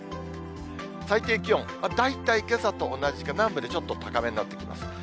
最低気温、大体けさと同じか、南部でちょっと高めになってきます。